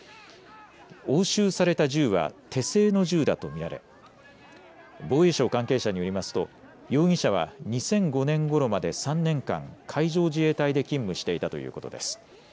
押収された銃は手製の銃だと見られ防衛省関係者によりますと容疑者は２００５年ごろまで３年間、海上自衛隊で勤務していたということです。